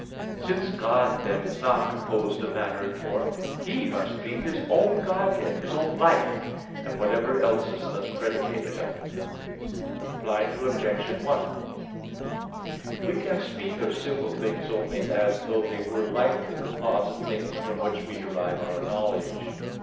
Since God then is not composed of matter and form, He must be His own Godhead, His own Life, and whatever else is thus predicated of Him. Reply Obj. 1: We can speak of simple things only as though they were like the composite things from which we derive our knowledge.